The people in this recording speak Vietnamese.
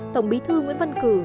tổng bí thư nguyễn văn cử